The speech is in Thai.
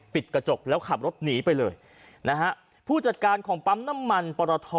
กระจกแล้วขับรถหนีไปเลยนะฮะผู้จัดการของปั๊มน้ำมันปรท